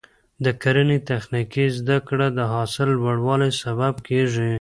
د کرنې تخنیکي زده کړه د حاصل لوړوالي سبب کېږي.